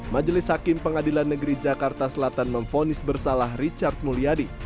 majelis hakim pengadilan negeri jakarta selatan memfonis bersalah richard mulyadi